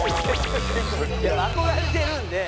憧れてるんで。